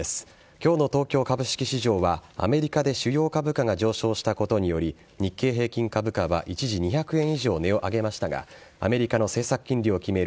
今日の東京株式市場はアメリカで主要株価が上昇したことにより日経平均株価は一時２００円以上値を上げましたがアメリカの政策金利を決める